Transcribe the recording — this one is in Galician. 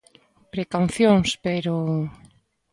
Precaucións, pero...